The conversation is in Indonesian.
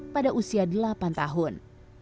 pada usia delapan tahun